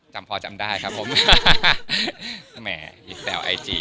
จำพอจำได้ครับผมแหมมีแซวไอจี